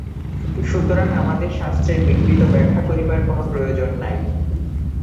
সুতরাং আমাদের শাস্ত্রের বিকৃত ব্যাখ্যা করিবার কোন প্রয়োজন নাই।